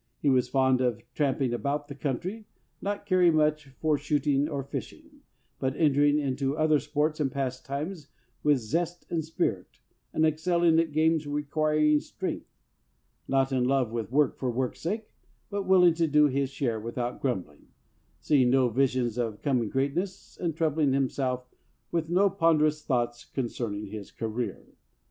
He was fond of tramping about the country, not caring much for shooting or fishing, but entering into other sports and pastimes with zest and spirit, and ex celling at games requiring strength; not in love with work for work's sake, but willing to do his share without grumbling, seeing no visions of coming greatness, and troubling himself with no ponderous thoughts concerning his career.